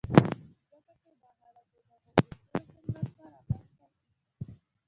ځکه چې دا حالت د دغو اصولو په مرسته رامنځته کېږي.